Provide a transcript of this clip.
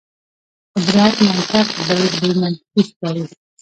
قدرت منطق بل بې منطقي ښکاري.